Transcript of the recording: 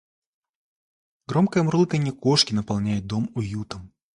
Громкое мурлыканье кошки наполняет дом уютом.